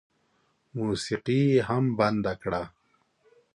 موسيقي یې هم بنده کړه.